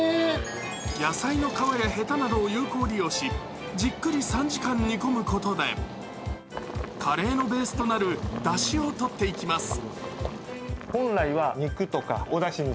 野菜の皮やへたなどを有効利用し、じっくり３時間煮込むことでカレーのベースとなるだしをとっていきます。